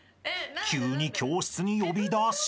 ［急に教室に呼び出し］